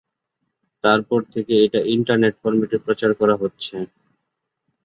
তারপর থেকে এটা ইন্টারনেট ফরম্যাটে প্রচার করা হচ্ছে।